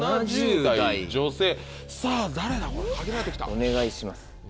お願いします。